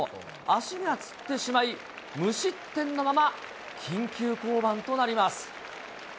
足がつってしまい、無失点のまま、緊急降板となります。